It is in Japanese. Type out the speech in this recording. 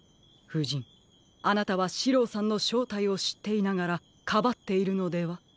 ふじんあなたはシローさんのしょうたいをしっていながらかばっているのでは？